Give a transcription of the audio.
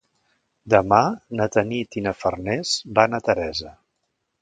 Demà na Tanit i na Farners van a Teresa.